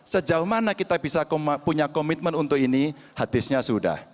sejauh mana kita bisa punya komitmen untuk ini hadisnya sudah